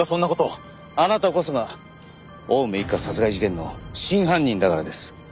あなたこそが青梅一家殺害事件の真犯人だからです。